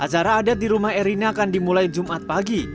acara adat di rumah erina akan dimulai jumat pagi